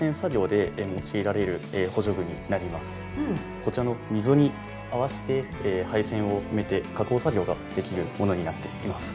こちらの溝に合わせて配線を埋めて加工作業ができるものになっています。